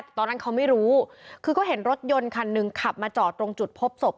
ตอนนั้นเขาไม่รู้คือก็เห็นรถยนต์คันหนึ่งขับมาจอดตรงจุดพบศพ